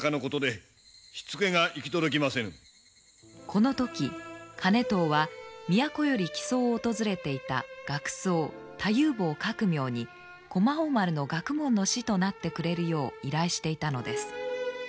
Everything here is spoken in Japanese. この時兼遠は都より木曽を訪れていた学僧太夫坊覚明に駒王丸の学問の師となってくれるよう依頼していたのです。